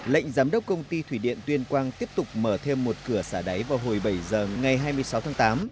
lệnh giám đốc công ty thủy điện tuyên quang tiếp tục mở thêm một cửa xả đáy vào hồi bảy giờ ngày hai mươi sáu tháng tám